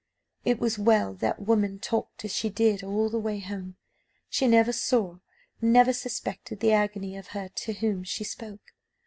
It was well that woman talked as she did all the way home; she never saw, never suspected, the agony of her to whom she spoke.